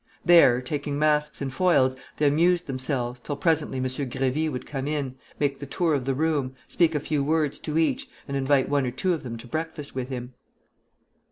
There, taking masks and foils, they amused themselves, till presently M. Grévy would come in, make the tour of the room, speak a few words to each, and invite one or two of them to breakfast with him.